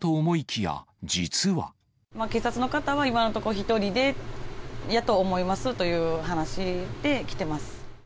警察の方は今のところ、１人でやと思いますという話できてます。